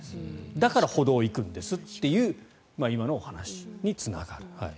だから歩道に行くんですという今のお話につながる。